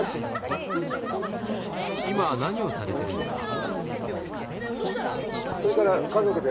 今何をされてるんですか？